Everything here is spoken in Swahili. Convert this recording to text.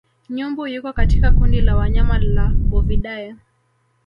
Nyumbu yuko katika kundi la wanyama la Bovidae